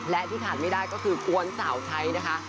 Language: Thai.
และที่ขาดไม่ได้ก็คือกวนสาวใช้นะคะ